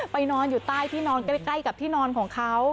นอนอยู่ใต้ที่นอนใกล้กับที่นอนของเขา